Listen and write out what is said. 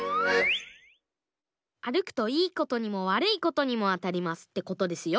あるくといいことにもわるいことにもあたりますってことですよ。